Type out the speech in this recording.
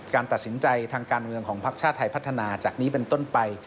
การตัดสินใจทางการเมืองของภักดิ์ชาติไทยพัฒนาจากนี้เป็นต้นไป